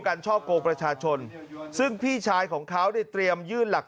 ช่อกงประชาชนซึ่งพี่ชายของเขาเนี่ยเตรียมยื่นหลัก